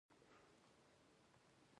ایا موږ اخلاقاً مکلف یو که نه؟